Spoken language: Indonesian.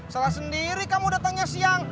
salah sendiri kamu datangnya siang